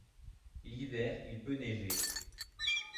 L'hiver il peut neiger.